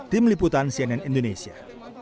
tim liputan cnn indonesia